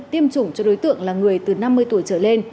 tiêm chủng cho đối tượng là người từ năm mươi tuổi trở lên